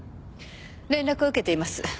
連絡を受けています。